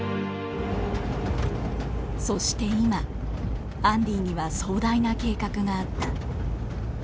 そして今アンディには壮大な計画があった。